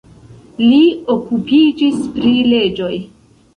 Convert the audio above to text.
Li okupiĝis pri leĝoj.